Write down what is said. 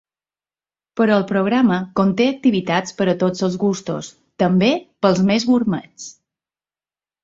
Però el programa conté activitats per a tots els gustos, també pels més gurmets.